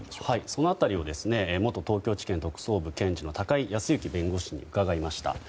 その辺りを元東京地検特捜部の検事の高井康行弁護士に伺いました。